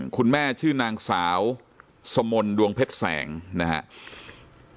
คุณแม่ชื่อนางสาวสมนดวงเพชรแสงนะครับ